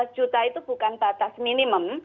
empat belas juta itu bukan batas minimum